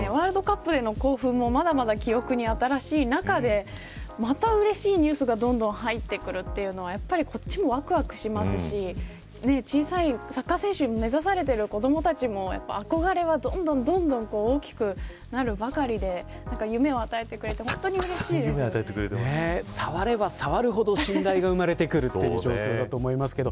ワールドカップでの興奮もまだまだ記憶に新しい中でまた、うれしいニュースがどんどん入ってくるというのはこっちも、わくわくしますしサッカー選手を目指されている子どもたちも憧れがどんどん大きくなるばかりで夢を与えてくれて触れば触るほど信頼が生まれてくるという状況だと思います。